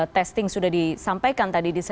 testing sudah disampaikan tadi di segmen awal